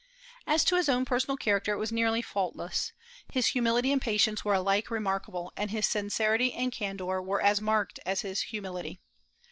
As to his own personal character, it was nearly faultless. His humility and patience were alike remarkable, and his sincerity and candor were as marked as his humility.